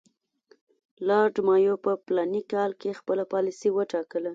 لارډ مایو په فلاني کال کې خپله پالیسي وټاکله.